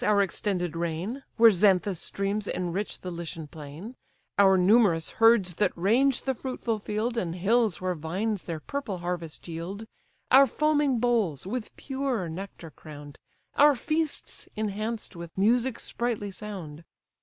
our extended reign, Where Xanthus' streams enrich the Lycian plain, Our numerous herds that range the fruitful field, And hills where vines their purple harvest yield, Our foaming bowls with purer nectar crown'd, Our feasts enhanced with music's sprightly sound?